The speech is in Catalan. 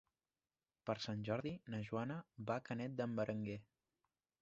Per Sant Jordi na Joana va a Canet d'en Berenguer.